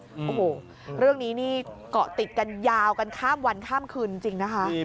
โอ้โหเรื่องนี้นี่เกาะติดกันยาวกันข้ามวันข้ามคืนจริงนะคะ